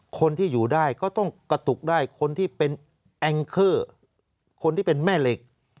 คนที่อยู่ได้ก็ต้องกระตุกได้คนที่เป็นแองเคอร์คนที่เป็นแม่เหล็ก